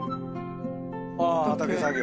あ畑作業。